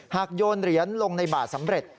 โยนเหรียญลงในบาทสำเร็จ